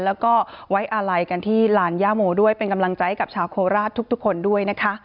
แล้วก็ไว้อาลัยกันที่ลานย่าโมด้วยเป็นกำลังใจให้กับชาวโคราชทุกคนด้วยนะคะ